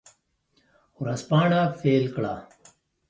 ورځپاڼه پیل کړه.